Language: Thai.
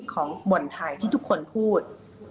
ของบทไทยที่ทุกคนพูด